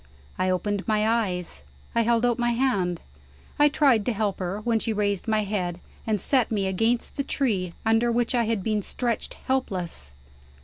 I opened my eyes; I held out my hand; I tried to help her when she raised my head, and set me against the tree under which I had been stretched helpless.